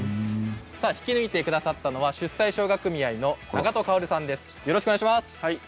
引き揚げてくださったのは出西生姜組合の永戸薫さんです。